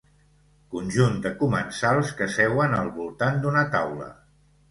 Conjunt de comensals que seuen al voltant d'una taula.